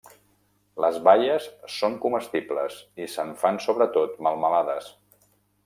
Les baies són comestibles i se'n fan sobretot melmelades.